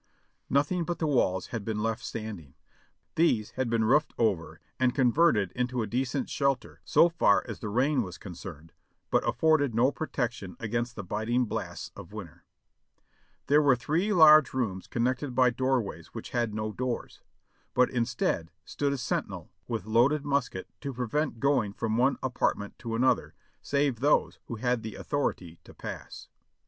Noth ing but the walls had been left standing; these had been roofed over, and converted into a decent shelter so far as the rain was concerned, but afforded no protection against the biting blasts of winter. There were three large rooms connected by doorways which had no doors, but instead stood a sentinel with loaded musket to prevent going from one apartment to another, save those who had the authority to pass.